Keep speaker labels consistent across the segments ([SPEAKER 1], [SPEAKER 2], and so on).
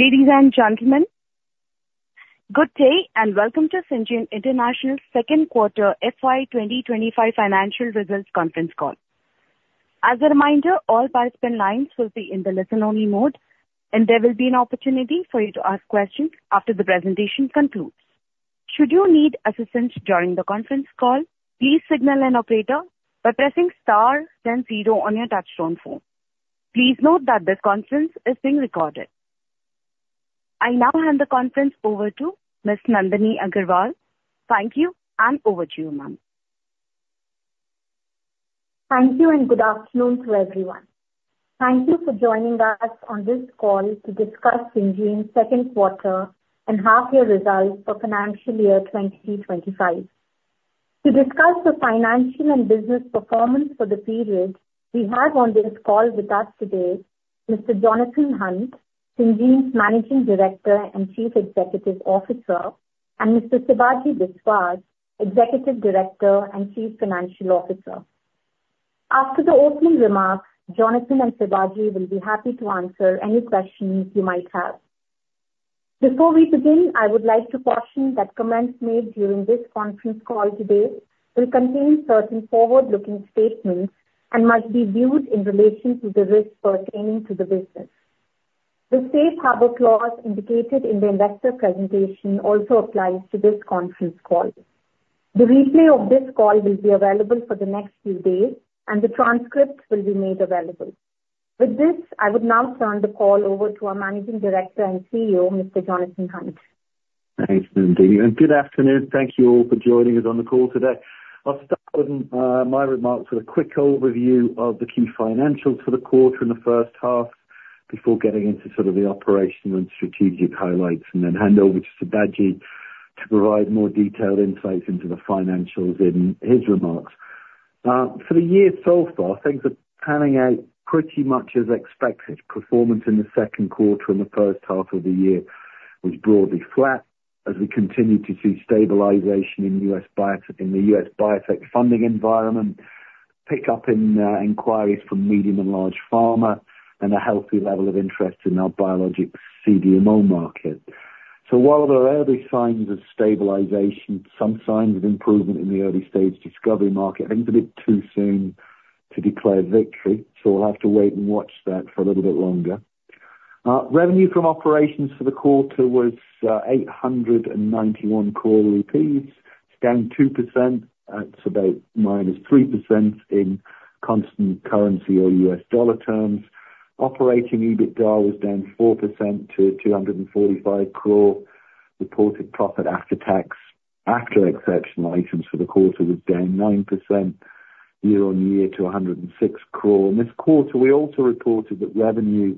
[SPEAKER 1] Ladies and gentlemen, good day, and welcome to Syngene International's Q2 FY 2025 Financial Results Conference Call. As a reminder, all participant lines will be in the listen-only mode, and there will be an opportunity for you to ask questions after the presentation concludes. Should you need assistance during the conference call, please signal an operator by pressing star then zero on your touchtone phone. Please note that this conference is being recorded. I now hand the conference over to Ms. Nandini Agarwal. Thank you, and over to you, ma'am.
[SPEAKER 2] Thank you, and good afternoon to everyone. Thank you for joining us on this call to discuss Syngene's Q2 and Half Year Results for Financial Year 2025. To discuss the financial and business performance for the period, we have on this call with us today, Mr. Jonathan Hunt, Syngene's Managing Director and Chief Executive Officer, and Mr. Sibaji Biswas, Executive Director and Chief Financial Officer. After the opening remarks, Jonathan and Sibaji will be happy to answer any questions you might have. Before we begin, I would like to caution that comments made during this conference call today will contain certain forward-looking statements and must be viewed in relation to the risks pertaining to the business. The safe harbor clause indicated in the investor presentation also applies to this conference call. The replay of this call will be available for the next few days, and the transcript will be made available. With this, I would now turn the call over to our Managing Director and CEO, Mr. Jonathan Hunt.
[SPEAKER 3] Thanks, Nandini, and good afternoon. Thank you all for joining us on the call today. I'll start my remarks with a quick overview of the key financials for the quarter and the first half before getting into sort of the operational and strategic highlights, and then hand over to Sibaji to provide more detailed insights into the financials in his remarks. For the year so far, things are panning out pretty much as expected. Performance in the Q2 and the first half of the year was broadly flat as we continue to see stabilization in U.S. biotech, in the U.S. biotech funding environment, pick up in inquiries from medium and large pharma, and a healthy level of interest in our biologics CDMO market. So while there are early signs of stabilization, some signs of improvement in the early stage discovery market, I think it's a bit too soon to declare victory, so we'll have to wait and watch that for a little bit longer. Revenue from operations for the quarter was 891 crore rupees, down 2%. That's about minus 3% in constant currency or US dollar terms. Operating EBITDA was down 4% to 245 crore. Reported profit after tax, after exceptional items for the quarter, was down 9% year on year to 106 crore. In this quarter, we also reported that revenue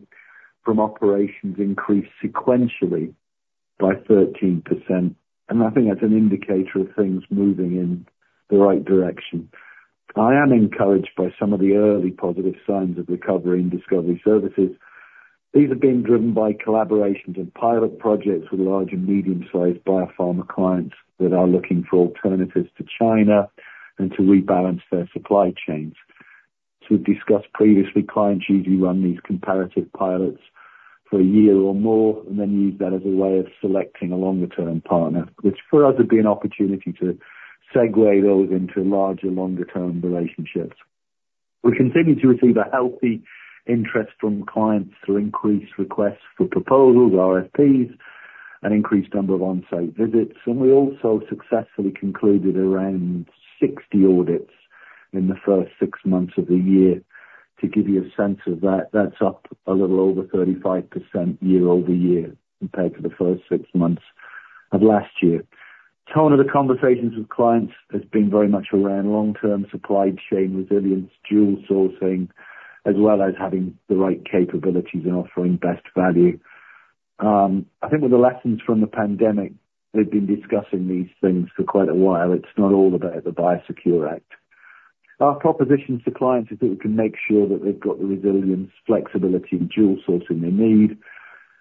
[SPEAKER 3] from operations increased sequentially by 13%, and I think that's an indicator of things moving in the right direction. I am encouraged by some of the early positive signs of recovery in discovery services. These are being driven by collaborations and pilot projects with large and medium-sized biopharma clients that are looking for alternatives to China and to rebalance their supply chains. As we've discussed previously, clients usually run these comparative pilots for a year or more and then use that as a way of selecting a longer-term partner, which for us would be an opportunity to segue those into larger, longer-term relationships. We continue to receive a healthy interest from clients to increase requests for proposals, RFPs, an increased number of on-site visits, and we also successfully concluded around 60 audits in the first six months of the year. To give you a sense of that, that's up a little over 35% year over year, compared to the first six months of last year. Tone of the conversations with clients has been very much around long-term supply chain resilience, dual sourcing, as well as having the right capabilities and offering best value. I think with the lessons from the pandemic, they've been discussing these things for quite a while. It's not all about the Biosecure Act. Our proposition to clients is that we can make sure that they've got the resilience, flexibility, and dual sourcing they need.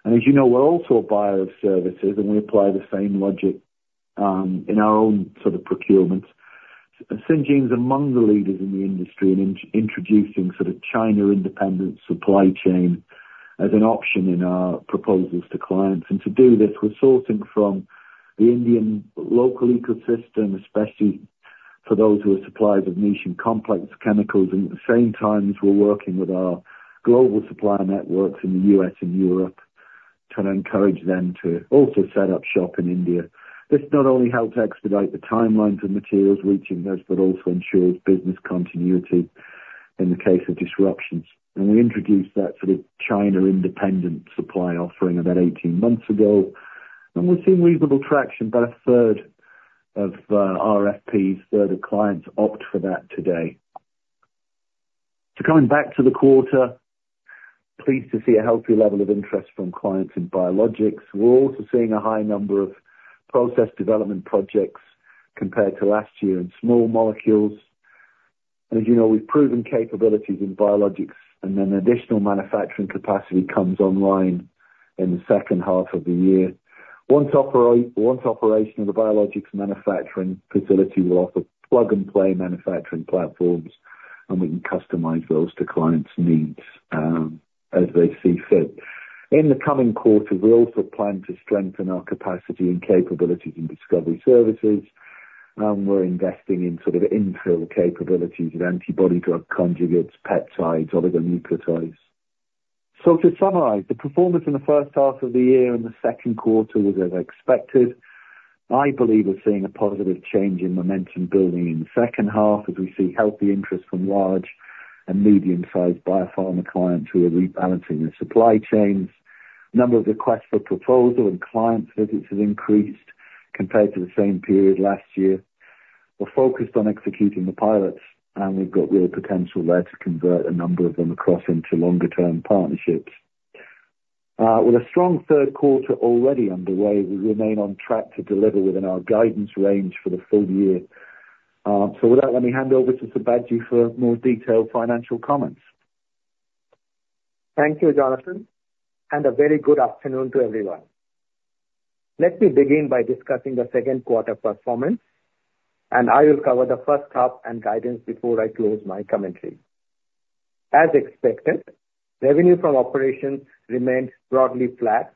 [SPEAKER 3] And as you know, we're also a buyer of services, and we apply the same logic in our own sort of procurement. Syngene's among the leaders in the industry in introducing sort of China-independent supply chain as an option in our proposals to clients. And to do this, we're sourcing from the Indian local ecosystem, especially for those who are suppliers of niche and complex chemicals. At the same time, we're working with our global supplier networks in the U.S. and Europe to encourage them to also set up shop in India. This not only helps expedite the timelines of materials reaching us, but also ensures business continuity in the case of disruptions. We introduced that sort of China-independent supply offering about eighteen months ago, and we're seeing reasonable traction. About a third of RFPs where the clients opt for that today. Coming back to the quarter, pleased to see a healthy level of interest from clients in biologics. We're also seeing a high number of process development projects compared to last year in small molecules. As you know, we've proven capabilities in biologics, and an additional manufacturing capacity comes online in the second half of the year. Once operational, the biologics manufacturing facility will offer plug-and-play manufacturing platforms. And we can customize those to clients' needs, as they see fit. In the coming quarter, we also plan to strengthen our capacity and capability in discovery services, and we're investing in sort of infill capabilities of antibody drug conjugates, peptides, oligonucleotides. So to summarize, the performance in the first half of the year and the Q2 was as expected. I believe we're seeing a positive change in momentum building in the second half as we see healthy interest from large and medium-sized biopharma clients who are rebalancing their supply chains. Number of requests for proposal and client visits has increased compared to the same period last year. We're focused on executing the pilots, and we've got real potential there to convert a number of them across into longer-term partnerships. With a strong Q3 already underway, we remain on track to deliver within our guidance range for the full year, so with that, let me hand over to Sibaji for more detailed financial comments.
[SPEAKER 4] Thank you, Jonathan, and a very good afternoon to everyone. Let me begin by discussing the Q2 performance, and I will cover the first half and guidance before I close my commentary. As expected, revenue from operations remained broadly flat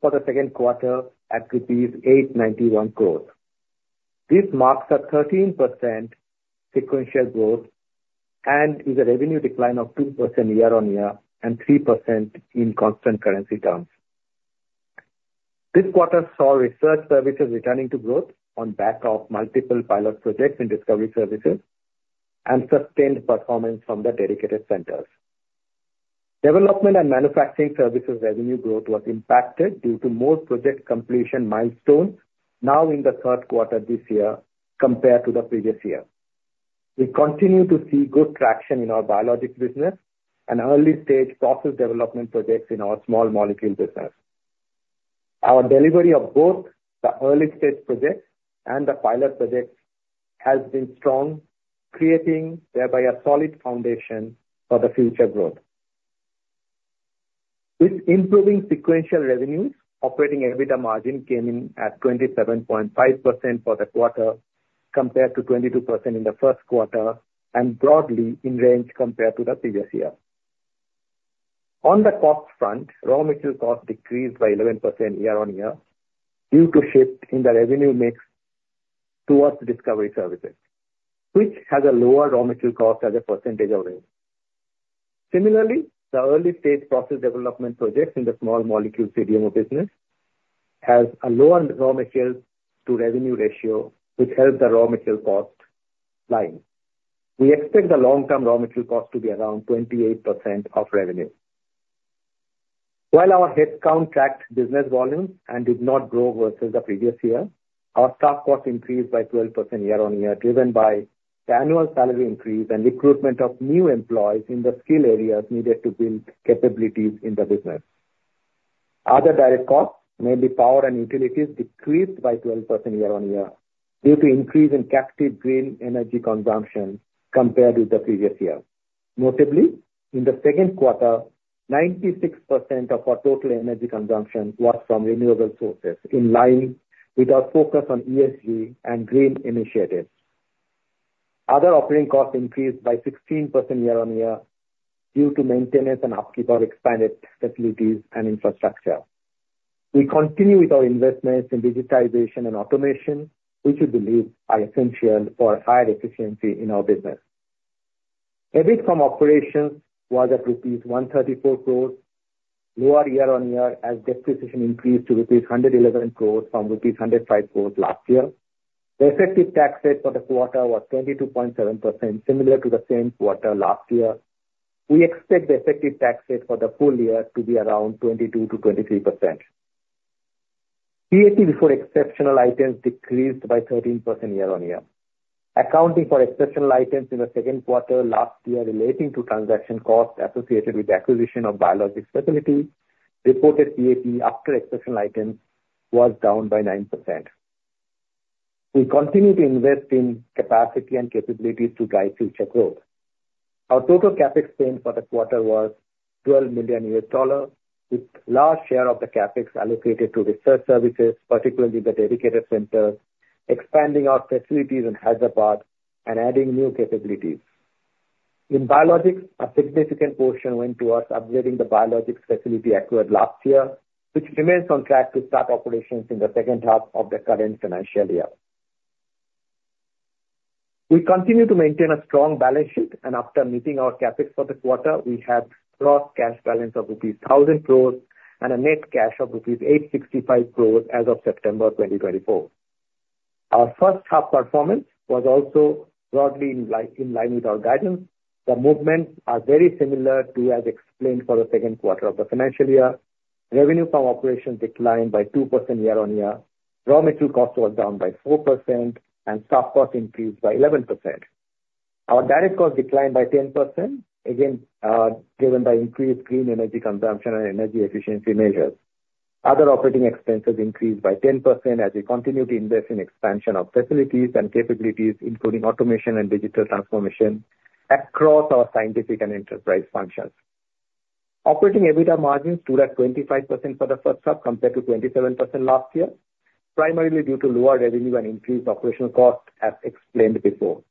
[SPEAKER 4] for the Q2 at rupees 891 crores. This marks a 13% sequential growth and is a revenue decline of 2% year-on-year and 3% in constant currency terms. This quarter saw research services returning to growth on back of multiple pilot projects in discovery services and sustained performance from the dedicated centers. Development and manufacturing services revenue growth was impacted due to more project completion milestones now in the Q3 this year compared to the previous year. We continue to see good traction in our biologics business and early-stage process development projects in our small molecule business. Our delivery of both the early-stage projects and the pilot projects has been strong, creating thereby a solid foundation for the future growth. With improving sequential revenues, operating EBITDA margin came in at 27.5% for the quarter, compared to 22% in the Q1, and broadly in range compared to the previous year. On the cost front, raw material cost decreased by 11% year-on-year due to shift in the revenue mix towards discovery services, which has a lower raw material cost as a percentage of revenue. Similarly, the early-stage process development projects in the small molecule CDMO business has a lower raw materials to revenue ratio, which helps the raw material cost line. We expect the long-term raw material cost to be around 28% of revenue. While our headcount tracked business volumes and did not grow versus the previous year, our staff cost increased by 12% year-on-year, driven by the annual salary increase and recruitment of new employees in the skill areas needed to build capabilities in the business. Other direct costs, mainly power and utilities, decreased by 12% year-on-year due to increase in captive green energy consumption compared with the previous year. Notably, in the Q2, 96% of our total energy consumption was from renewable sources, in line with our focus on ESG and green initiatives. Other operating costs increased by 16% year-on-year due to maintenance and upkeep of our expanded facilities and infrastructure. We continue with our investments in digitization and automation, which we believe are essential for higher efficiency in our business. EBIT from operations was at rupees 134 crores, lower year-on-year as depreciation increased to rupees 111 crores from rupees 105 crores last year. The effective tax rate for the quarter was 22.7%, similar to the same quarter last year. We expect the effective tax rate for the full year to be around 22%-23%. EBIT before exceptional items decreased by 13% year-on-year. Accounting for exceptional items in the Q2 last year relating to transaction costs associated with the acquisition of biologics facility, reported EBIT after exceptional items was down by 9%. We continue to invest in capacity and capabilities to guide future growth. Our total CapEx spend for the quarter was $12 million, with large share of the CapEx allocated to research services, particularly the dedicated centers, expanding our facilities in Hyderabad and adding new capabilities. In biologics, a significant portion went towards upgrading the biologics facility acquired last year, which remains on track to start operations in the second half of the current financial year. We continue to maintain a strong balance sheet, and after meeting our CapEx for the quarter, we have gross cash balance of rupees 1,000 crores and a net cash of rupees 865 crores as of September 2024. Our first half performance was also broadly in line with our guidance. The movements are very similar to as explained for the Q2 of the financial year. Revenue from operations declined by 2% year-on-year, raw material costs were down by 4%, and staff costs increased by 11%. Our direct costs declined by 10%, again, driven by increased green energy consumption and energy efficiency measures. Other operating expenses increased by 10% as we continue to invest in expansion of facilities and capabilities, including automation and digital transformation across our scientific and enterprise functions. Operating EBITDA margin stood at 25% for the first half, compared to 27% last year, primarily due to lower revenue and increased operational costs, as explained before.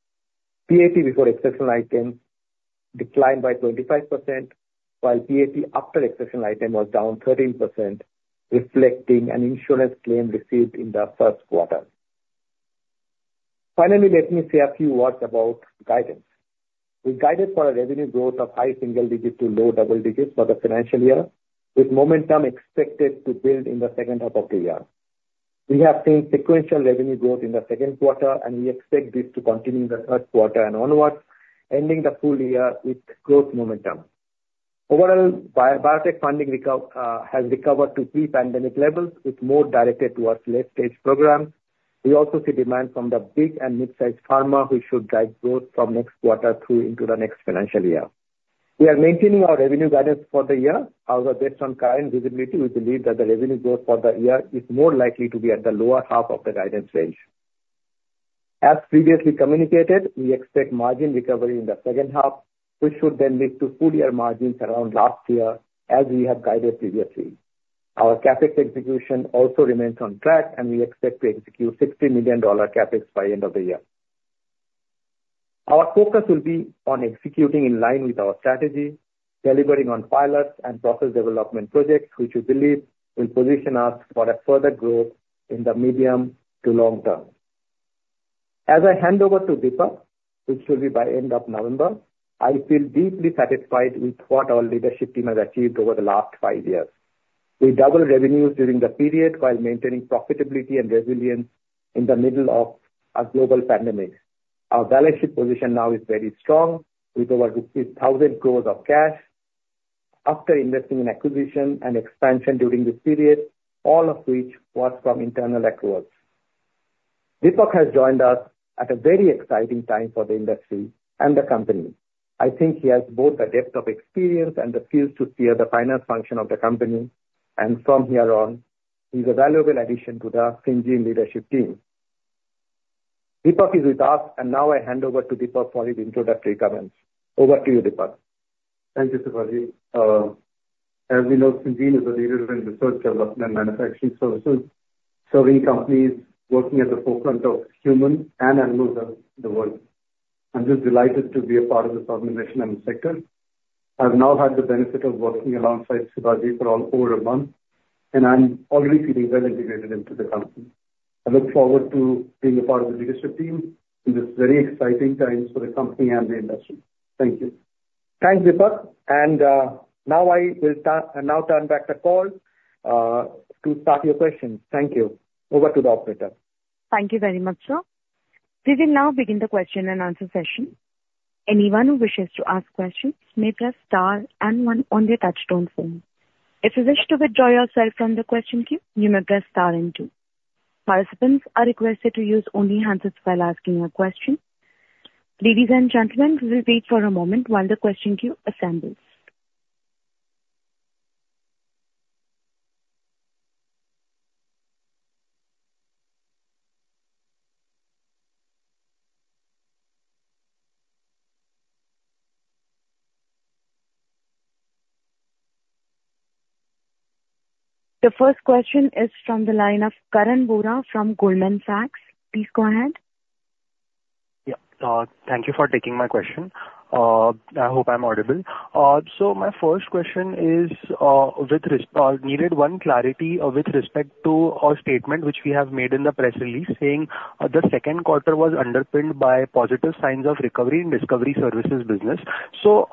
[SPEAKER 4] PAT, before exceptional items, declined by 25%, while PAT after exceptional item was down 13%, reflecting an insurance claim received in the Q1. Finally, let me say a few words about guidance. We guided for a revenue growth of high single digit to low double digits for the financial year, with momentum expected to build in the second half of the year. We have seen sequential revenue growth in the Q2, and we expect this to continue in the Q3 and onwards, ending the full year with growth momentum. Overall, biotech funding has recovered to pre-pandemic levels, with more directed towards late-stage programs. We also see demand from the big and mid-sized pharma, which should drive growth from next quarter through into the next financial year. We are maintaining our revenue guidance for the year. However, based on current visibility, we believe that the revenue growth for the year is more likely to be at the lower half of the guidance range. As previously communicated, we expect margin recovery in the second half, which should then lead to full year margins around last year, as we have guided previously. Our CapEx execution also remains on track, and we expect to execute $60 million CapEx by end of the year. Our focus will be on executing in line with our strategy, delivering on pilots and process development projects, which we believe will position us for a further growth in the medium to long term. As I hand over to Deepak, which will be by end of November, I feel deeply satisfied with what our leadership team has achieved over the last five years. We doubled revenues during the period while maintaining profitability and resilience in the middle of a global pandemic. Our balance sheet position now is very strong, with over 60,000 crores of cash after investing in acquisition and expansion during this period, all of which was from internal accruals. Deepak has joined us at a very exciting time for the industry and the company. I think he has both the depth of experience and the field to steer the finance function of the company, and from here on, he's a valuable addition to the Syngene leadership team. Deepak is with us, and now I hand over to Deepak for his introductory comments. Over to you, Deepak.
[SPEAKER 5] Thank you, Sibaji. As we know, Syngene is a leader in research, development and manufacturing services, serving companies working at the forefront of human and animal health in the world. I'm just delighted to be a part of this organization and sector. I've now had the benefit of working alongside Sibaji for over a month, and I'm already feeling well integrated into the company. I look forward to being a part of the leadership team in this very exciting time for the company and the industry. Thank you. Thanks, Deepak. And now I will start. I now turn back the call to start your questions. Thank you. Over to the operator.
[SPEAKER 1] Thank you very much, sir. We will now begin the question and answer session. Anyone who wishes to ask questions may press star and one on their touchtone phone. If you wish to withdraw yourself from the question queue, you may press star and two. Participants are requested to use only the handset while asking your question. Ladies and gentlemen, please wait for a moment while the question queue assembles. The first question is from the line of Karan Vora from Goldman Sachs. Please go ahead.
[SPEAKER 6] Thank you for taking my question. I hope I'm audible. So my first question is, with respect to a statement which we have made in the press release, saying, the Q2 was underpinned by positive signs of recovery in discovery services business. So,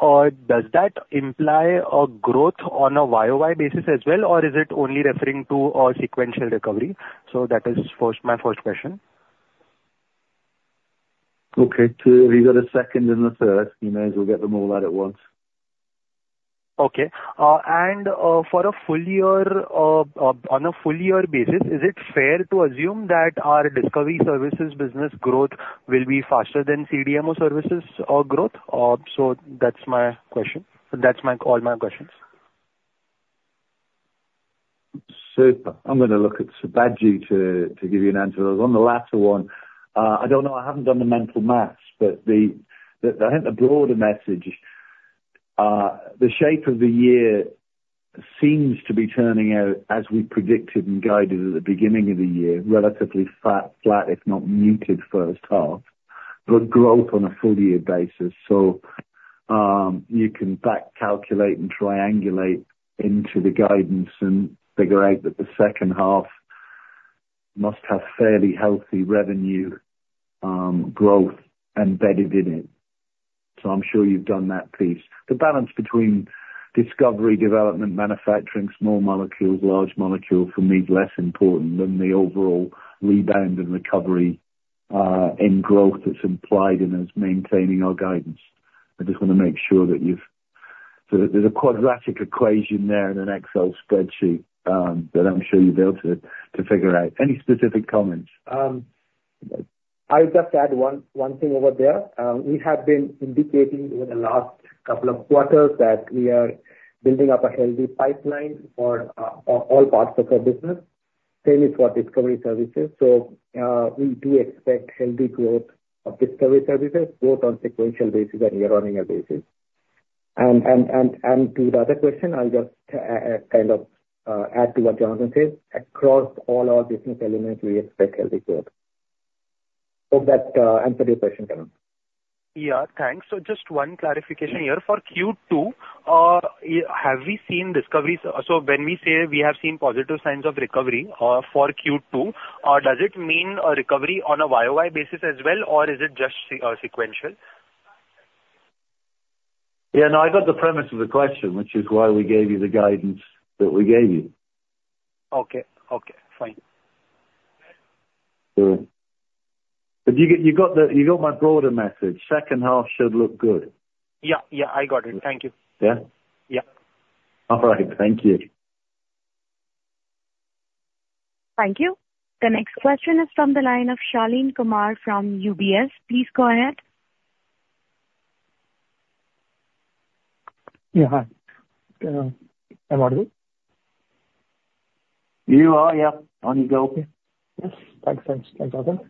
[SPEAKER 6] does that imply a growth on a YOY basis as well, or is it only referring to a sequential recovery? That is my first question.
[SPEAKER 3] Okay, so have you got a second and a third? You may as well get them all out at once.
[SPEAKER 6] Okay, and, for a full year, on a full year basis, is it fair to assume that our discovery services business growth will be faster than CDMO services or growth? So that's my question. So that's my, all my questions.
[SPEAKER 3] Super. I'm gonna look at Sibaji to give you an answer. On the latter one, I don't know, I haven't done the mental math, but I think the broader message, the shape of the year seems to be turning out as we predicted and guided at the beginning of the year, relatively flat, if not muted, first half, but growth on a full year basis. So you can back-calculate and triangulate into the guidance and figure out that the second half must have fairly healthy revenue growth embedded in it. So I'm sure you've done that piece. The balance between discovery, development, manufacturing, small molecules, large molecules, for me is less important than the overall rebound and recovery in growth that's implied and is maintaining our guidance. I just want to make sure that you've... There's a quadratic equation there in an Excel spreadsheet, that I'm sure you'll be able to figure out. Any specific comments?
[SPEAKER 4] I'll just add one thing over there. We have been indicating over the last couple of quarters that we are building up a healthy pipeline for all parts of our business. Same is for discovery services. So, we do expect healthy growth of discovery services, both on sequential basis and year-on-year basis. And to the other question, I'll just kind of add to what Jonathan said. Across all our business elements, we expect healthy growth. Hope that answered your question, Karan.
[SPEAKER 6] Thanks. So just one clarification here. For Q2, have we seen discovery? So when we say we have seen positive signs of recovery for Q2, does it mean a recovery on a YOY basis as well, or is it just sequential?
[SPEAKER 3] No, I got the premise of the question, which is why we gave you the guidance that we gave you.
[SPEAKER 6] Okay. Okay, fine.
[SPEAKER 3] But you got my broader message: second half should look good.
[SPEAKER 6] Yeah, yeah, I got it. Thank you.
[SPEAKER 3] Yeah?
[SPEAKER 6] Yeah.
[SPEAKER 3] All right. Thank you.
[SPEAKER 1] Thank you. The next question is from the line of Shalinee Kumar from UBS. Please go ahead.
[SPEAKER 7] Hi. Am I audible?
[SPEAKER 3] You are. On you go.
[SPEAKER 7] Yes. Thanks, thanks. Thanks, Jonathan.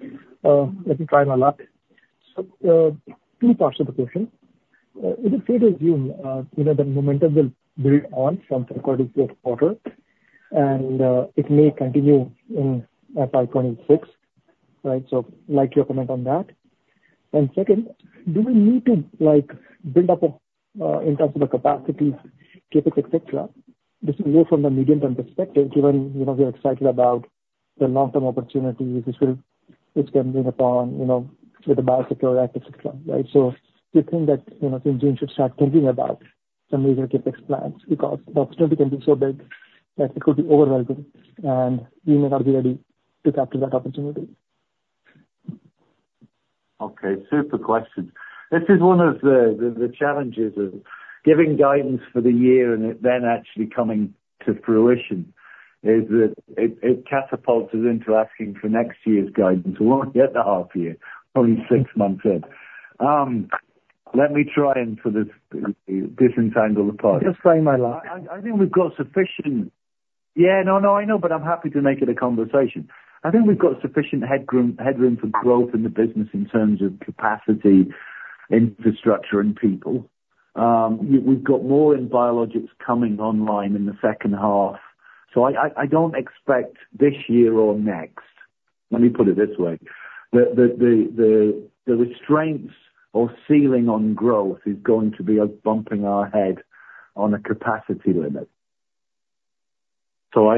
[SPEAKER 7] Let me try my luck. So, two parts to the question. Is it fair to assume, you know, that momentum will build on from Q3 to Q4, and, it may continue in, five twenty-six, right? So I'd like your comment on that. And second, do we need to, like, build up in terms of the capacity, CapEx, et cetera? This is more from the medium-term perspective, given, you know, we are excited about the long-term opportunities which can bring upon, you know, with the Biosecure Act, et cetera, right? So do you think that, you know, Syngene should start thinking about some major CapEx plans because the opportunity can be so big that it could be overwhelming, and we may not be ready to capture that opportunity?
[SPEAKER 3] Okay, super question. This is one of the challenges of giving guidance for the year, and it then actually coming to fruition, is that it catapults us into asking for next year's guidance. We're not yet a half year, only six months in. Let me try and sort of disentangle apart.
[SPEAKER 7] Just trying my luck.
[SPEAKER 3] I think we've got sufficient. No, I know, but I'm happy to make it a conversation. I think we've got sufficient headroom for growth in the business in terms of capacity, infrastructure, and people. We've got more in biologics coming online in the second half, so I don't expect this year or next. Let me put it this way: the restraints or ceiling on growth is going to be us bumping our head on a capacity limit. So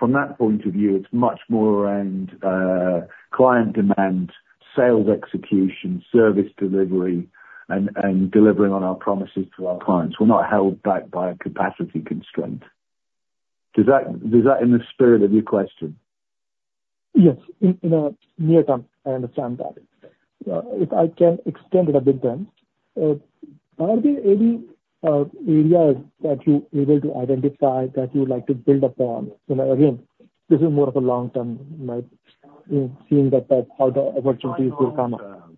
[SPEAKER 3] from that point of view, it's much more around client demand, sales execution, service delivery, and delivering on our promises to our clients. We're not held back by a capacity constraint. Is that in the spirit of your question?
[SPEAKER 7] Yes. In a near term, I understand that. If I can extend it a bit then, are there any areas that you're able to identify that you would like to build upon? You know, again, this is more of a long-term, like, seeing that, like, how the opportunities will come up.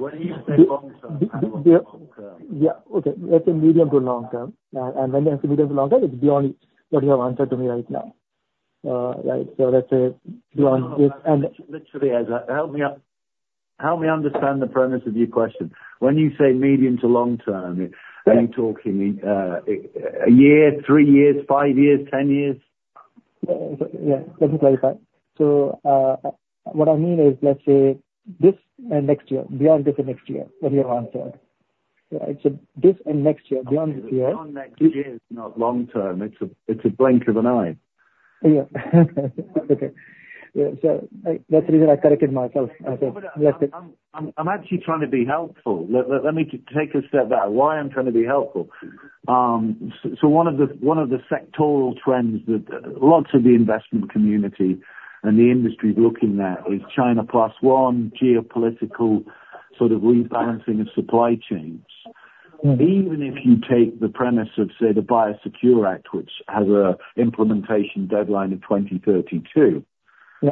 [SPEAKER 3] When you say long term, I know long term.
[SPEAKER 7] Okay. Let's say medium to long term. And when I say medium to long term, it's beyond what you have answered to me right now. Right, so let's say beyond this, and-
[SPEAKER 3] Literally, help me out. Help me understand the premise of your question. When you say medium to long term-
[SPEAKER 7] Yeah.
[SPEAKER 3] -are you talking, a year, three years, five years, ten years?
[SPEAKER 7] Let me clarify, so what I mean is, let's say this and next year, beyond this and next year, what you have answered. Right, so this and next year, beyond this year.
[SPEAKER 3] Beyond next year is not long term. It's a blink of an eye.
[SPEAKER 7] Okay. So that's the reason I corrected myself. Okay.
[SPEAKER 3] I'm actually trying to be helpful. Let me take a step back, why I'm trying to be helpful. So one of the sectoral trends that lots of the investment community and the industry is looking at is China Plus One, geopolitical, sort of rebalancing of supply chains.
[SPEAKER 7] Mm-hmm.
[SPEAKER 3] Even if you take the premise of, say, the Biosecure Act, which has an implementation deadline of 2032-
[SPEAKER 7] Yeah.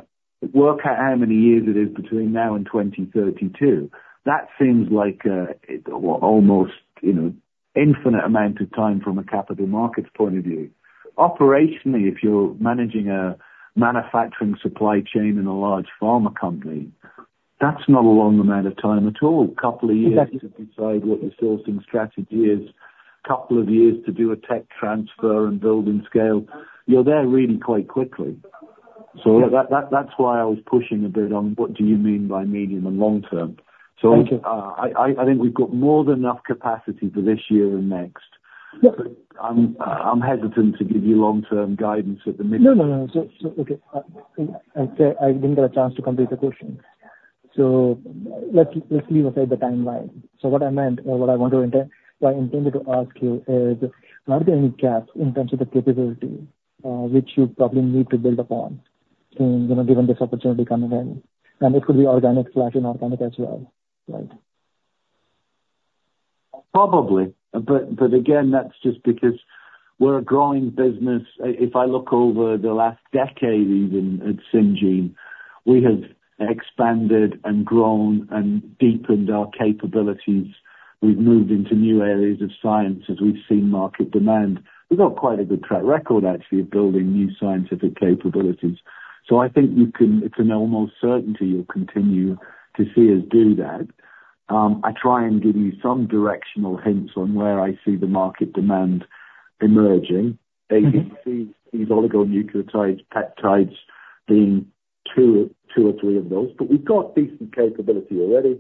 [SPEAKER 3] Work out how many years it is between now and 2032. That seems like a, what, almost, you know, infinite amount of time from a capital markets point of view. Operationally, if you're managing a manufacturing supply chain in a large pharma company, that's not a long amount of time at all.
[SPEAKER 7] Exactly.
[SPEAKER 3] A couple of years to decide what your sourcing strategy is, couple of years to do a tech transfer and build and scale. You're there really quite quickly.
[SPEAKER 7] Yeah.
[SPEAKER 3] So that, that's why I was pushing a bit on what do you mean by medium and long term?
[SPEAKER 7] Thank you.
[SPEAKER 3] I think we've got more than enough capacity for this year and next.
[SPEAKER 7] Yeah.
[SPEAKER 3] But I'm hesitant to give you long-term guidance at the moment.
[SPEAKER 7] No, no, no. So, okay. I didn't get a chance to complete the question. So let's leave aside the timeline. So what I meant, or what I want to intend, what I intended to ask you is, are there any gaps in terms of the capability, which you probably need to build upon in, you know, given this opportunity coming in? And it could be organic, slash, inorganic as well, right?
[SPEAKER 3] Probably. But again, that's just because we're a growing business. If I look over the last decade, even, at Syngene we have expanded and grown and deepened our capabilities. We've moved into new areas of science as we've seen market demand. We've got quite a good track record, actually, of building new scientific capabilities. So I think it's an almost certainty you'll continue to see us do that. I try and give you some directional hints on where I see the market demand emerging.
[SPEAKER 7] Mm-hmm.
[SPEAKER 3] You see these oligonucleotides, peptides, being two or three of those, but we've got decent capability already.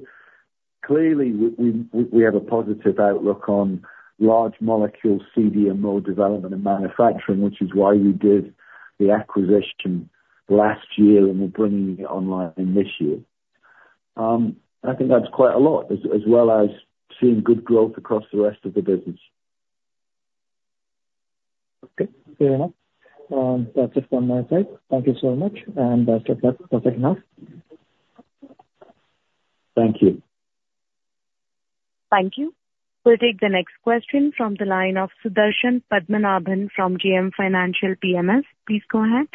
[SPEAKER 3] Clearly, we have a positive outlook on large molecule CDMO development and manufacturing, which is why we did the acquisition last year, and we're bringing it online in this year. I think that's quite a lot, as well as seeing good growth across the rest of the business.
[SPEAKER 7] Okay, fair enough. That's it from my side. Thank you so much, and good luck for the rest.
[SPEAKER 3] Thank you.
[SPEAKER 1] Thank you. We'll take the next question from the line of Sudarshan Padmanabhan from JM Financial PMS. Please go ahead.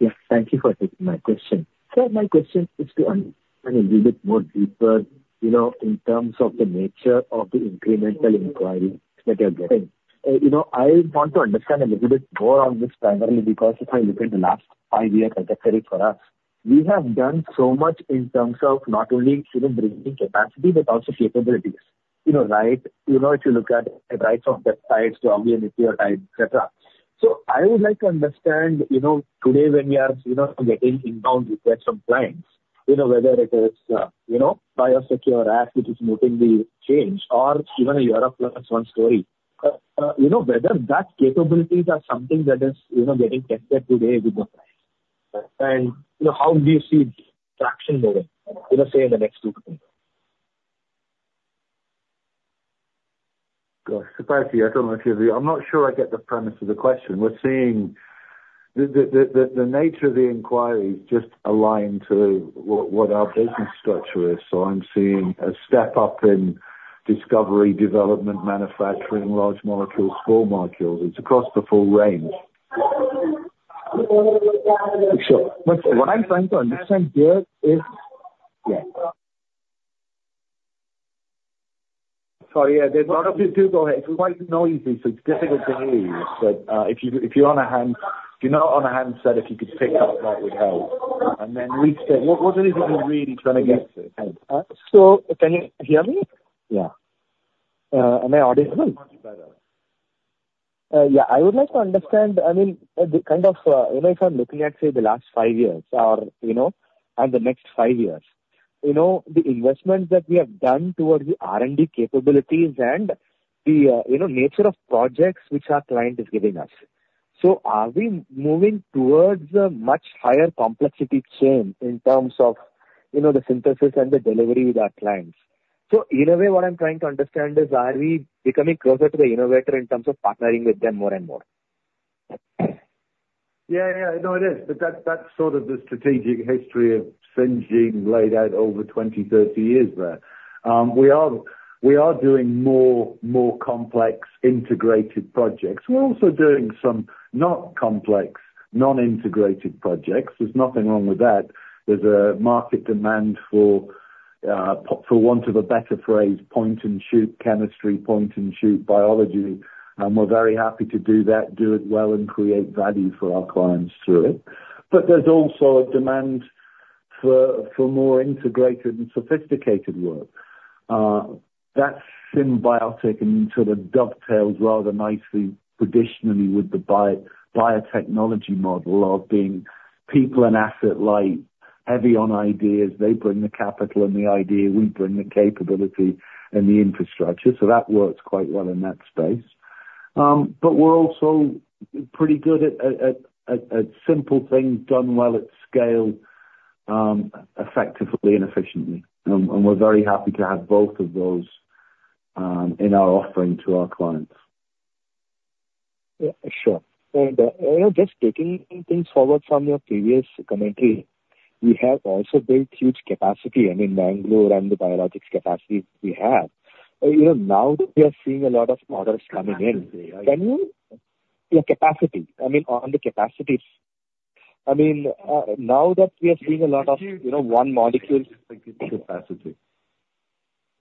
[SPEAKER 8] Yes, thank you for taking my question. So my question is to understand a little bit more deeper, you know, in terms of the nature of the incremental inquiry that you're getting. You know, I want to understand a little bit more on this, primarily because if I look at the last five-year trajectory for us, we have done so much in terms of not only sort of bringing capacity, but also capabilities. You know, right? You know, if you look at our peptides, obviously, et cetera. So I would like to understand, you know, today, when we are, you know, getting inbound with that from clients, you know, whether it is, you know, Biosecure Act, which is driving the change, or even a China Plus One story. You know, whether that capabilities are something that is, you know, getting tested today with the clients. You know, how do you see traction moving, you know, say in the next two to three years?
[SPEAKER 3] Gosh! Surprisingly, I don't know if you agree. I'm not sure I get the premise of the question. We're seeing the nature of the inquiry just aligned to what our business structure is. So I'm seeing a step up in discovery, development, manufacturing, large molecules, small molecules. It's across the full range. Sure.
[SPEAKER 8] What I'm trying to understand here is.
[SPEAKER 3] Sorry, there's a lot of people. Go ahead. It's quite noisy, so it's difficult to hear you. But if you're not on a handset, if you could pick up, that would help. And then we said, what is it you're really trying to get to?
[SPEAKER 8] So can you hear me?
[SPEAKER 3] Yeah.
[SPEAKER 8] Am I audible?
[SPEAKER 3] Much better.
[SPEAKER 8] I would like to understand, I mean, the kind of, you know, if I'm looking at, say, the last five years or, you know, and the next five years, you know, the investments that we have done towards the R&D capabilities and the, you know, nature of projects which our client is giving us. So are we moving towards a much higher complexity chain in terms of, you know, the synthesis and the delivery with our clients? So in a way, what I'm trying to understand is, are we becoming closer to the innovator in terms of partnering with them more and more?
[SPEAKER 3] No, it is. But that, that's sort of the strategic history of Syngene laid out over 20, 30 years there. We are doing more complex integrated projects. We're also doing some not complex, non-integrated projects. There's nothing wrong with that. There's a market demand for for want of a better phrase, point and shoot chemistry, point and shoot biology, and we're very happy to do that, do it well, and create value for our clients through it. But there's also a demand for more integrated and sophisticated work. That's symbiotic and sort of dovetails rather nicely traditionally with the biotechnology model of being people and asset light, heavy on ideas. They bring the capital and the idea, we bring the capability and the infrastructure, so that works quite well in that space. But we're also pretty good at simple things done well at scale, effectively and efficiently. And we're very happy to have both of those in our offering to our clients.
[SPEAKER 8] Sure. And, you know, just taking things forward from your previous commentary, we have also built huge capacity. I mean, Bangalore and the biologics capacity we have. You know, now that we are seeing a lot of products coming in, can you... Your capacity, I mean, on the capacities. I mean, now that we are seeing a lot of, you know, one molecule-
[SPEAKER 3] Capacity.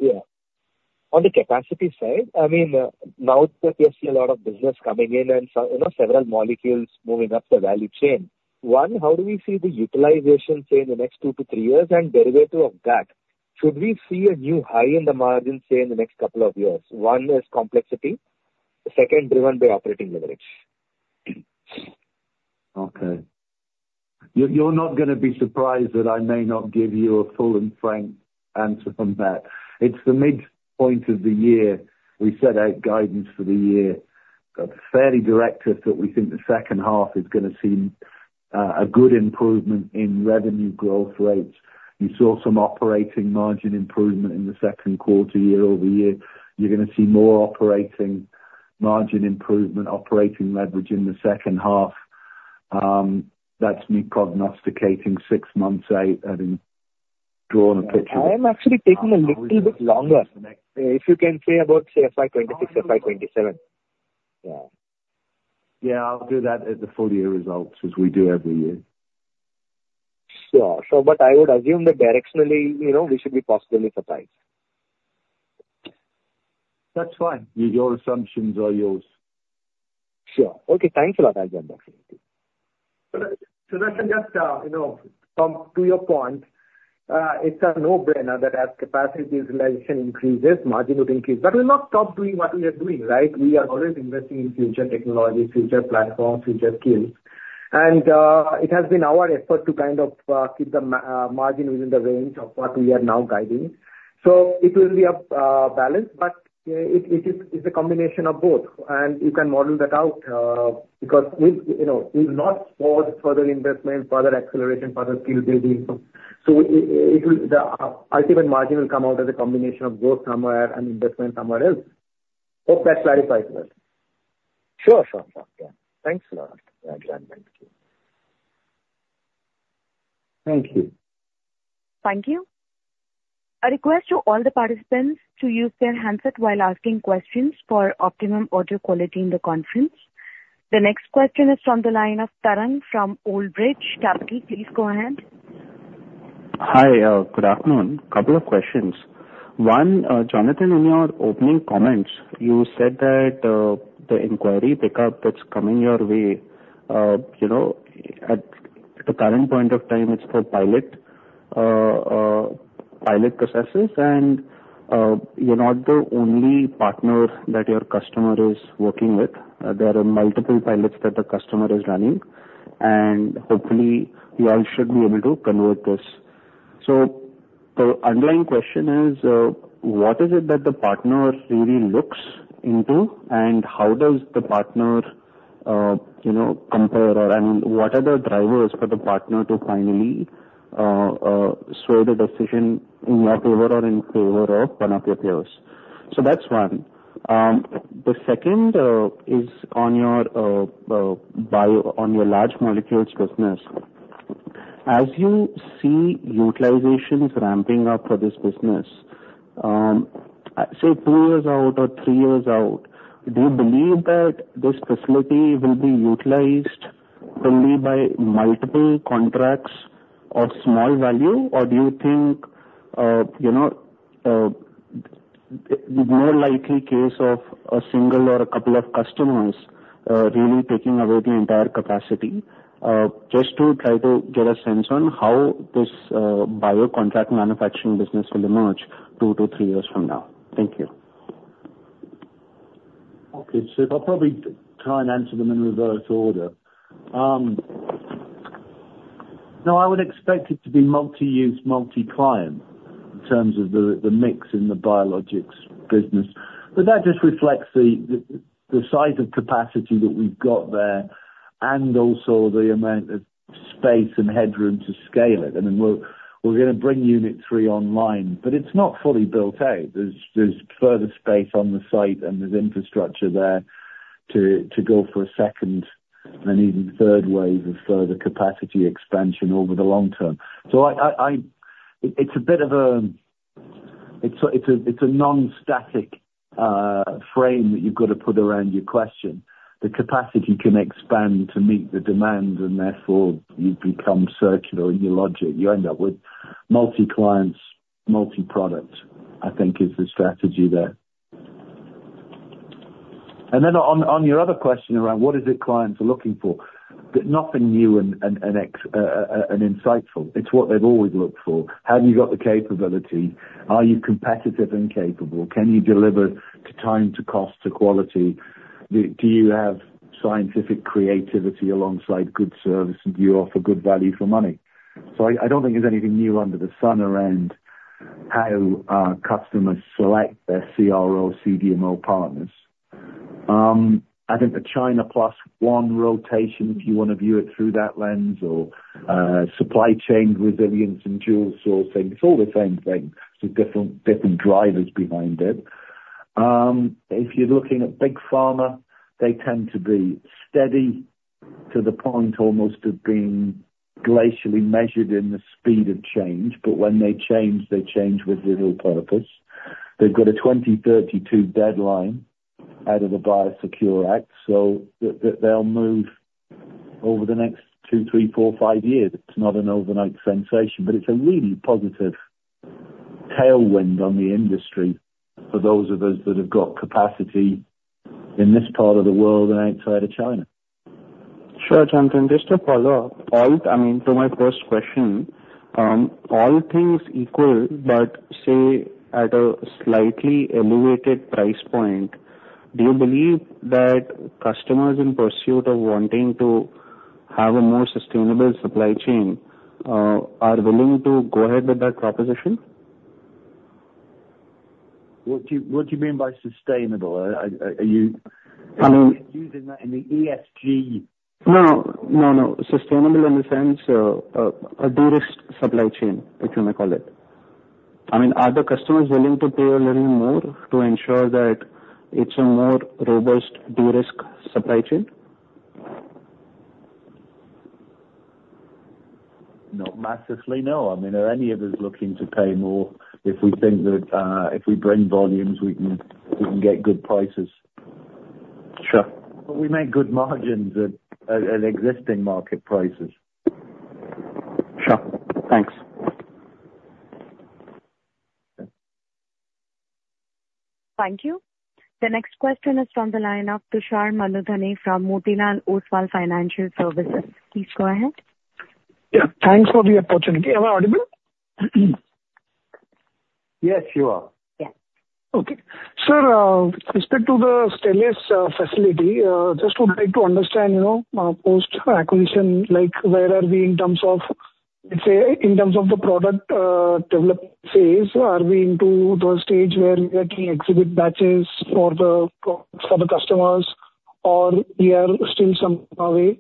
[SPEAKER 8] On the capacity side, I mean, now that we are seeing a lot of business coming in and some, you know, several molecules moving up the value chain, one, how do we see the utilization, say, in the next two to three years? And derivative of that, should we see a new high in the margin, say, in the next couple of years? One is complexity, the second driven by operating leverage.
[SPEAKER 3] Okay. You're not gonna be surprised that I may not give you a full and frank answer from that. It's the midpoint of the year. We set out guidance for the year, but fairly directive that we think the second half is gonna see a good improvement in revenue growth rates. You saw some operating margin improvement in the Q2, year over year. You're gonna see more operating margin improvement, operating leverage in the second half. That's me prognosticating six months out, I mean, draw on a picture.
[SPEAKER 8] I am actually taking a little bit longer. If you can say about, say, FY 2026, FY 2027.
[SPEAKER 3] I'll do that at the full year results, as we do every year.
[SPEAKER 8] Sure. So but I would assume that directionally, you know, we should be possibly surprised.
[SPEAKER 3] That's fine. Your assumptions are yours.
[SPEAKER 8] Sure. Okay, thanks a lot, Jonathan.
[SPEAKER 4] So, Sudarshan, just, you know, come to your point, it's a no-brainer that as capacity utilization increases, margin would increase, but we'll not stop doing what we are doing, right? We are always investing in future technology, future platforms, future skills. And, it has been our effort to kind of keep the margin within the range of what we are now guiding. So it will be up, balanced, but it is a combination of both, and you can model that out, because we, you know, we've not paused further investment, further acceleration, further skill building. So it will. The ultimate margin will come out as a combination of growth somewhere and investment somewhere else. Hope that clarifies well.
[SPEAKER 8] Sure. Thanks a lot, Jonathan. Thank you.
[SPEAKER 3] Thank you.
[SPEAKER 1] Thank you. A request to all the participants to use their handset while asking questions for optimum audio quality in the conference. The next question is from the line of Tarang from Old Bridge. Tarang, please go ahead.
[SPEAKER 9] Hi, good afternoon. A couple of questions. One, Jonathan, in your opening comments, you said that, the inquiry pickup that's coming your way, you know, at the current point of time, it's for pilot processes, and, you're not the only partner that your customer is working with. There are multiple pilots that the customer is running, and hopefully you all should be able to convert this. So the underlying question is, what is it that the partner really looks into, and how does the partner, you know, compare? Or, and what are the drivers for the partner to finally, sway the decision in your favor or in favor of one of your peers? So that's one. The second is on your bio, on your large molecules business. As you see utilizations ramping up for this business, say, two years out or three years out, do you believe that this facility will be utilized only by multiple contracts of small value? Or do you think, you know, more likely case of a single or a couple of customers, really taking away the entire capacity? Just to try to get a sense on how this, bio contract manufacturing business will emerge two to three years from now. Thank you.
[SPEAKER 3] Okay. So I'll probably try and answer them in reverse order. No, I would expect it to be multi-use, multi-client in terms of the mix in the biologics business. But that just reflects the size of capacity that we've got there and also the amount of space and headroom to scale it. I mean, we're gonna bring unit three online, but it's not fully built out. There's further space on the site, and there's infrastructure there to go for a second and even third wave of further capacity expansion over the long term. So I... It's a bit of a non-static frame that you've got to put around your question. The capacity can expand to meet the demand, and therefore you become circular in your logic. You end up with multi clients, multi-product, I think is the strategy there.
[SPEAKER 9] And then on your other question around what is it clients are looking for? Nothing new and insightful. It's what they've always looked for. Have you got the capability? Are you competitive and capable? Can you deliver to time, to cost, to quality? Do you have scientific creativity alongside good service? And do you offer good value for money?
[SPEAKER 3] So I don't think there's anything new under the sun around how our customers select their CRO, CDMO partners. I think the China Plus One rotation, if you want to view it through that lens, or supply chain resilience and dual sourcing, it's all the same thing, so different drivers behind it. If you're looking at Big Pharma, they tend to be steady to the point almost of being glacially measured in the speed of change. But when they change, they change with little purpose. They've got a 2032 deadline out of the Biosecure Act, so they'll move over the next two, three, four, five years. It's not an overnight sensation, but it's a really positive tailwind on the industry for those of us that have got capacity in this part of the world and outside of China.
[SPEAKER 9] Sure, Jonathan. Just to follow up, I mean, to my first question, all things equal, but say, at a slightly elevated price point, do you believe that customers in pursuit of wanting to have a more sustainable supply chain, are willing to go ahead with that proposition?
[SPEAKER 3] What do you mean by sustainable? Are you-
[SPEAKER 9] I mean-
[SPEAKER 3] Using that in the ESG?
[SPEAKER 9] No, no, no. Sustainable in the sense, a de-risked supply chain, if you may call it. I mean, are the customers willing to pay a little more to ensure that it's a more robust, de-risk supply chain?...
[SPEAKER 3] Not massively, no. I mean, are any of us looking to pay more if we think that if we bring volumes, we can get good prices?
[SPEAKER 4] Sure.
[SPEAKER 3] But we make good margins at existing market prices.
[SPEAKER 4] Sure. Thanks.
[SPEAKER 1] Thank you. The next question is from the line of Tushar Manudhane from Motilal Oswal Financial Services. Please go ahead.
[SPEAKER 10] Thanks for the opportunity. Am I audible?
[SPEAKER 4] Yes, you are.
[SPEAKER 1] Yes.
[SPEAKER 10] Okay. Sir, with respect to the Stelis facility, just would like to understand, you know, post-acquisition, like, where are we in terms of, let's say, in terms of the product development phase? Are we into the stage where we are getting exhibit batches for the customers, or we are still some away?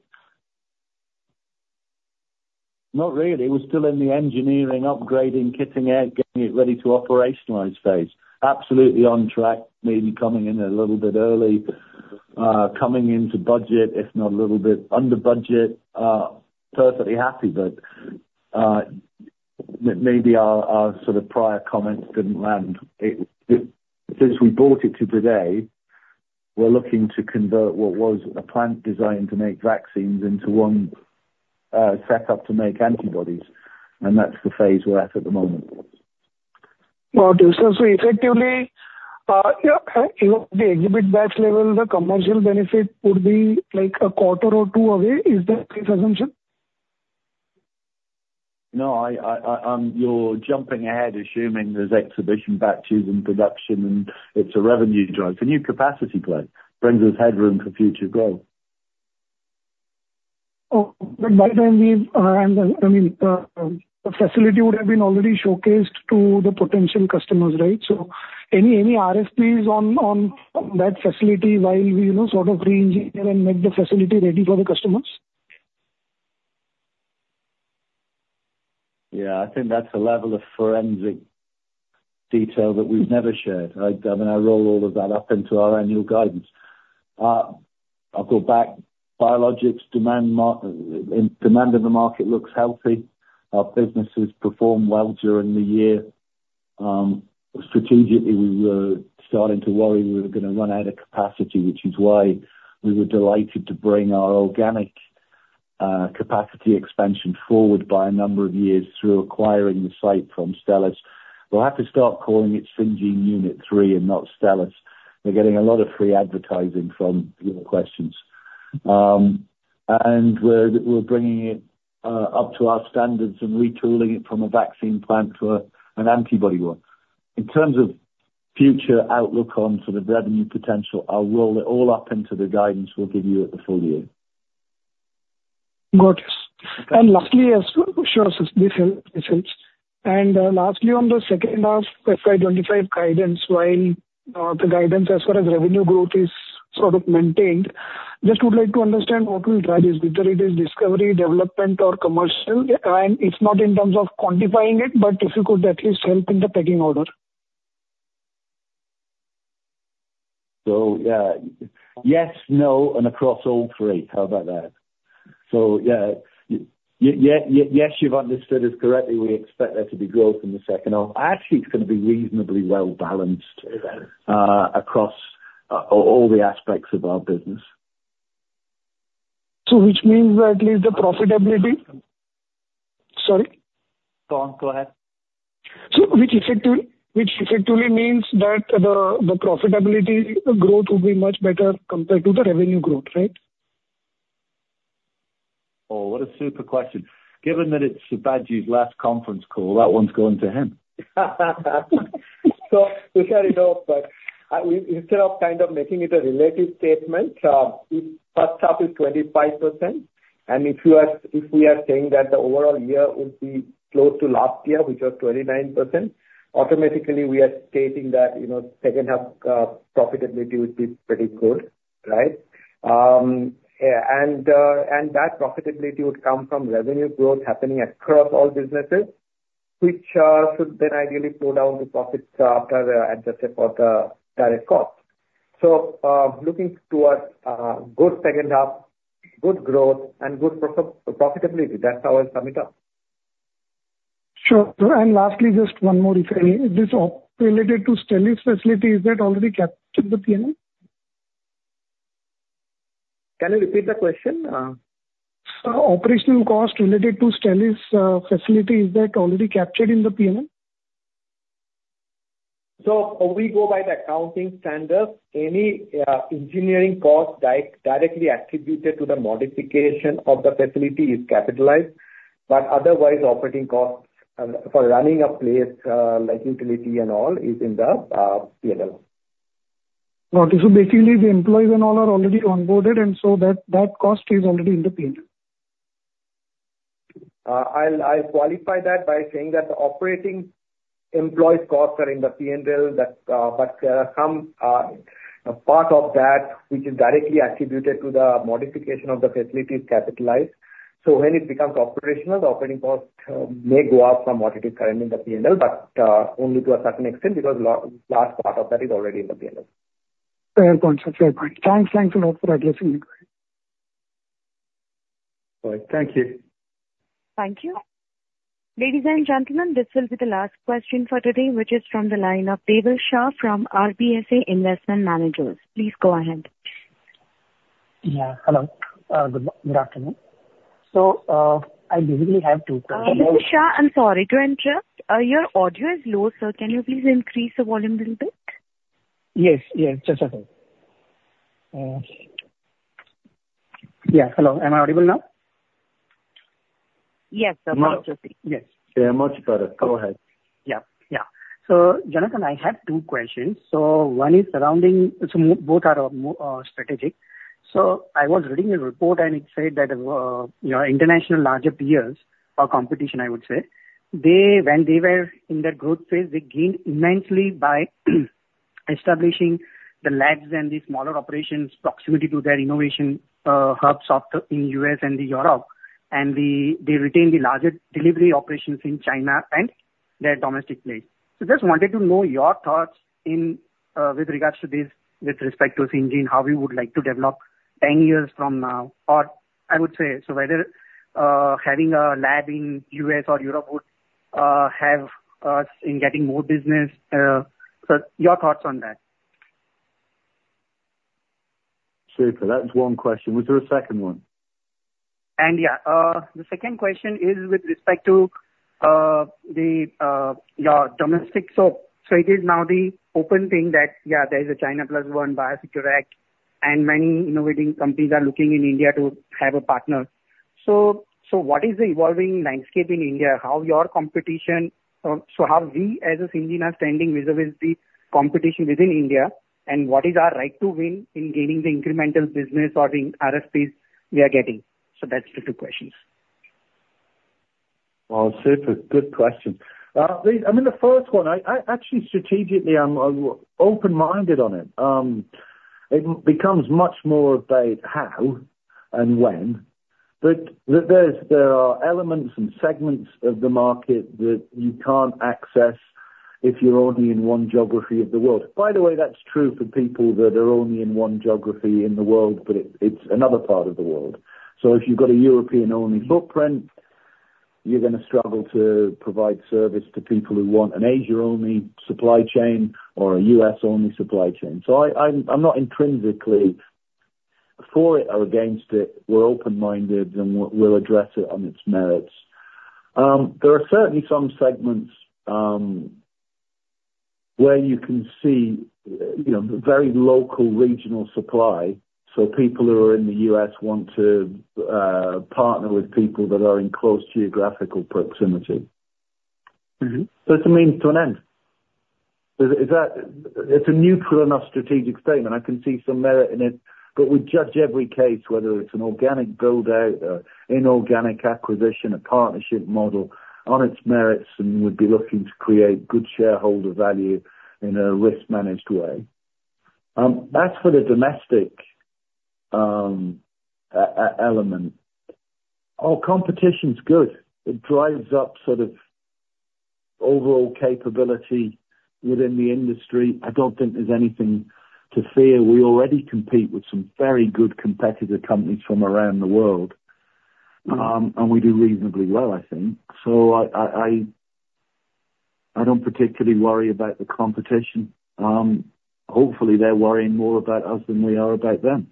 [SPEAKER 3] Not really. We're still in the engineering, upgrading, kitting out, getting it ready to operationalize phase. Absolutely on track, maybe coming in a little bit early, coming into budget, if not a little bit under budget. Perfectly happy, but, maybe our sort of prior comments didn't land. Since we bought it to today, we're looking to convert what was a plant designed to make vaccines into one, set up to make antibodies, and that's the phase we're at the moment.
[SPEAKER 10] Got it. So, effectively, the exhibit batch level, the commercial benefit would be like a quarter or two away, is that a safe assumption?
[SPEAKER 3] No, you're jumping ahead, assuming there's exhibit batches in production, and it's a revenue drive. It's a new capacity play, brings us headroom for future growth.
[SPEAKER 10] Oh, but by then we, I mean, the facility would have been already showcased to the potential customers, right? So any RFPs on that facility while we, you know, sort of re-engineer and make the facility ready for the customers?
[SPEAKER 3] I think that's a level of forensic detail that we've never shared. I mean, I roll all of that up into our annual guidance. I'll go back. Biologics demand in the market looks healthy. Our businesses performed well during the year. Strategically, we were starting to worry we were gonna run out of capacity, which is why we were delighted to bring our organic capacity expansion forward by a number of years through acquiring the site from Stelis. We'll have to start calling it Syngene Unit Three and not Stelis. We're getting a lot of free advertising from your questions. And we're bringing it up to our standards and retooling it from a vaccine plant to an antibody one. In terms of future outlook on sort of revenue potential, I'll roll it all up into the guidance we'll give you at the full year.
[SPEAKER 10] Got it. And lastly, sure, this helps, this helps. And lastly, on the second half, FY 2025 guidance, while the guidance as far as revenue growth is sort of maintained, just would like to understand what we'll drive this, whether it is discovery, development, or commercial. And it's not in terms of quantifying it, but if you could at least help in the pecking order.
[SPEAKER 3] Yes, no, and across all three. How about that? Yes, you've understood us correctly. We expect there to be growth in the second half. Actually, it's gonna be reasonably well-balanced across all the aspects of our business.
[SPEAKER 10] So which means that at least the profitability... Sorry?
[SPEAKER 4] Go on, go ahead.
[SPEAKER 10] Which effectively means that the profitability growth will be much better compared to the revenue growth, right?
[SPEAKER 3] Oh, what a super question! Given that it's Sibaji's last conference call, that one's going to him.
[SPEAKER 4] To start you off, but we, instead of kind of making it a relative statement, if first half is 25%, and if you are, if we are saying that the overall year would be close to last year, which was 29%, automatically we are stating that, you know, second half profitability would be pretty good, right? And, and that profitability would come from revenue growth happening across all businesses, which should then ideally pull down the profits after adjusted for the direct costs. Looking towards good second half, good growth and good profitability. That's how I'll sum it up.
[SPEAKER 10] Sure. And lastly, just one more, if I may. This OpEx related to Stelis facility, is that already captured in the P&L?
[SPEAKER 4] Can you repeat the question?
[SPEAKER 10] Operational cost related to Stellis facility, is that already captured in the P&L?
[SPEAKER 4] So if we go by the accounting standard, any engineering cost directly attributed to the modification of the facility is capitalized, but otherwise, operating costs for running a place like utilities and all is in the P&L.
[SPEAKER 10] Got it. So basically, the employees and all are already onboarded, and so that cost is already in the P&L.
[SPEAKER 4] I'll qualify that by saying that the operating employees costs are in the P&L, but some part of that, which is directly attributed to the modification of the facility, is capitalized. So when it becomes operational, the operating costs may go up from what it is currently in the P&L, but only to a certain extent, because large part of that is already in the P&L....
[SPEAKER 2] Fair point, sir. Fair point. Thanks, thanks a lot for addressing it.
[SPEAKER 3] All right. Thank you.
[SPEAKER 1] Thank you. Ladies and gentlemen, this will be the last question for today, which is from the line of Deval Shah from RBSA Investment Managers. Please go ahead.
[SPEAKER 11] Hello. Good afternoon. So, I basically have two questions-
[SPEAKER 1] Mr. Shah, I'm sorry to interrupt. Your audio is low, sir. Can you please increase the volume a little bit?
[SPEAKER 11] Yes. Yes. Just a second. Hello, am I audible now?
[SPEAKER 1] Yes, sir.
[SPEAKER 3] Yes, you're much better. Go ahead.
[SPEAKER 11] So Jonathan, I have two questions. So one is surrounding. So both are strategic. So I was reading a report, and it said that your international larger peers or competition, I would say, they, when they were in their growth phase, they gained immensely by establishing the labs and the smaller operations proximity to their innovation hubs in the US and Europe. And they retained the larger delivery operations in China and their domestic place. So just wanted to know your thoughts with regards to this, with respect to Syngene, how we would like to develop ten years from now, or whether having a lab in US or Europe would help us in getting more business. So your thoughts on that.
[SPEAKER 3] Super. That's one question. Was there a second one?
[SPEAKER 11] The second question is with respect to your domestic. So it is now the open thing that, there is a China Plus One Biosecure Act, and many innovating companies are looking in India to have a partner. So what is the evolving landscape in India? How your competition. So how we as a Syngene are standing with the competition within India, and what is our right to win in gaining the incremental business or the RFPs we are getting? So that's the two questions.
[SPEAKER 3] Super. Good question. I mean, the first one, I actually strategically, I'm open-minded on it. It becomes much more about how and when, but there are elements and segments of the market that you can't access if you're only in one geography of the world. By the way, that's true for people that are only in one geography in the world, but it's another part of the world. So if you've got a European-only footprint, you're gonna struggle to provide service to people who want an Asia-only supply chain or a US-only supply chain. I'm not intrinsically for it or against it. We're open-minded, and we'll address it on its merits. There are certainly some segments where you can see, you know, very local regional supply, so people who are in the US want to partner with people that are in close geographical proximity.
[SPEAKER 11] Mm-hmm.
[SPEAKER 3] So it's a means to an end. Is that... It's a neutral enough strategic statement. I can see some merit in it, but we judge every case, whether it's an organic build-out, an inorganic acquisition, a partnership model, on its merits, and we'd be looking to create good shareholder value in a risk-managed way. As for the domestic element, our competition's good. It drives up sort of overall capability within the industry. I don't think there's anything to fear. We already compete with some very good competitor companies from around the world, and we do reasonably well, I think. So I don't particularly worry about the competition. Hopefully, they're worrying more about us than we are about them.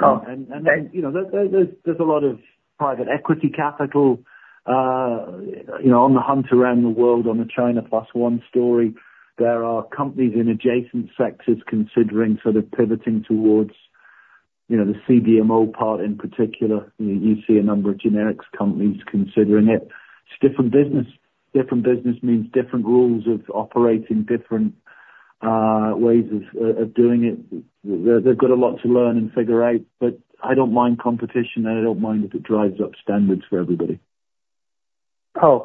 [SPEAKER 11] Oh, and-
[SPEAKER 3] You know, there’s a lot of private equity capital, you know, on the hunt around the world on the China Plus One story. There are companies in adjacent sectors considering sort of pivoting towards, you know, the CDMO part in particular. You see a number of generics companies considering it. It’s different business. Different business means different rules of operating, different ways of doing it. They’ve got a lot to learn and figure out, but I don’t mind competition, and I don’t mind if it drives up standards for everybody.
[SPEAKER 11] Oh,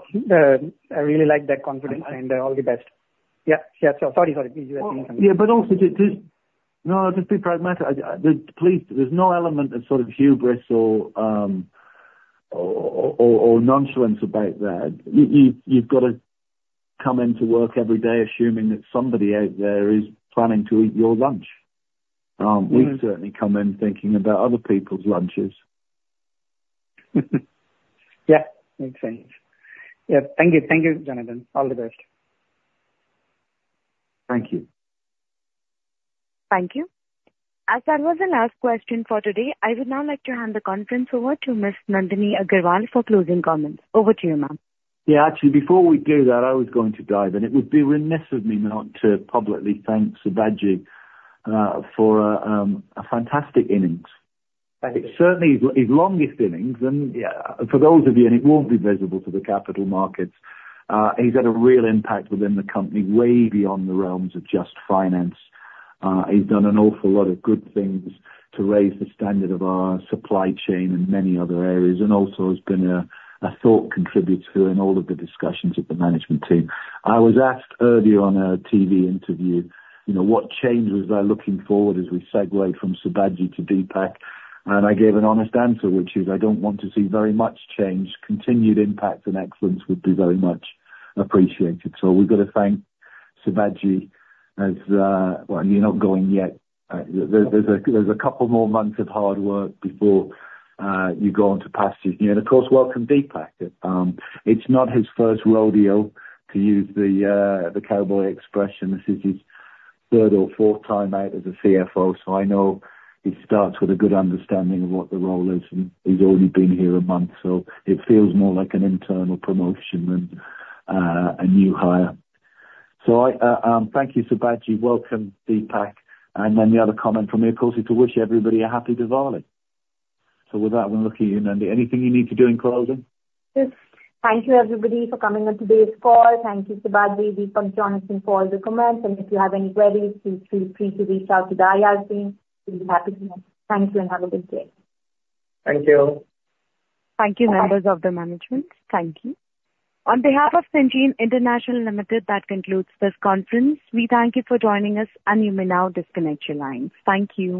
[SPEAKER 11] I really like that confidence, and all the best. So sorry, sorry. Please go ahead.
[SPEAKER 3] But also just be pragmatic. Please, there's no element of sort of hubris or nonchalance about that. You've got to come into work every day assuming that somebody out there is planning to eat your lunch.
[SPEAKER 11] Mm-hmm.
[SPEAKER 3] We certainly come in thinking about other people's lunches.
[SPEAKER 11] Makes sense. Thank you, thank you, Jonathan. All the best.
[SPEAKER 3] Thank you.
[SPEAKER 1] Thank you. As that was the last question for today, I would now like to hand the conference over to Ms. Nandini Agarwal for closing comments. Over to you, ma'am.
[SPEAKER 3] Actually, before we do that, I was going to dive in. It would be remiss of me not to publicly thank Sibaji for a fantastic innings.
[SPEAKER 11] Thank you.
[SPEAKER 3] It's certainly his longest innings, and for those of you, and it won't be visible to the capital markets. He's had a real impact within the company, way beyond the realms of just finance. He's done an awful lot of good things to raise the standard of our supply chain in many other areas, and also has been a thought contributor in all of the discussions with the management team. I was asked earlier on a TV interview, you know, what changes are looking forward as we segue from Sibaji to Deepak? And I gave an honest answer, which is: I don't want to see very much change. Continued impact and excellence would be very much appreciated. So we've got to thank Sibaji as... Well, you're not going yet. There's a couple more months of hard work before you go on to pasture. And of course, welcome, Deepak. It's not his first rodeo, to use the cowboy expression. This is his third or fourth time out as a CFO, so I know he starts with a good understanding of what the role is, and he's only been here a month, so it feels more like an internal promotion than a new hire. So I thank you, Sibaji. Welcome, Deepak. And then the other comment from me, of course, is to wish everybody a happy Diwali. So with that, we're looking at you, Nandini. Anything you need to do in closing?
[SPEAKER 2] Yes. Thank you, everybody, for coming on today's call. Thank you, Sibaji, Deepak, Jonathan, for all the comments. And if you have any queries, please feel free to reach out to the IR team. We'll be happy to help. Thank you, and have a good day.
[SPEAKER 11] Thank you.
[SPEAKER 1] Thank you, members of the management. Thank you. On behalf of Syngene International Limited, that concludes this conference. We thank you for joining us, and you may now disconnect your lines. Thank you.